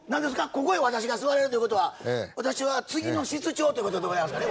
ここへ私が座れるということは私は次の室長ということでございますかね？